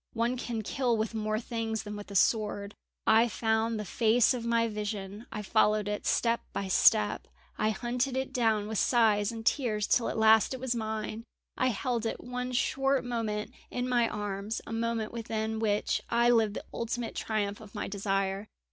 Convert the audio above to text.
"One can kill with more things than with a sword. I found the face of my vision, I followed it step by step. I hunted it down with sighs and tears till at last it was mine. I held it one short moment in my arms, a moment within which I lived the ultimate triumph of my desire.